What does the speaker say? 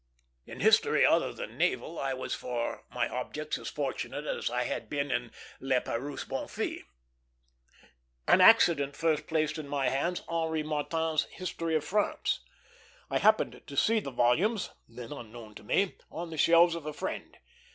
In history other than naval I was for my object as fortunate as I had been in Lapeyrouse Bonfils. An accident first placed in my hands Henri Martin's History of France. I happened to see the volumes, then unknown to me, on the shelves of a friend.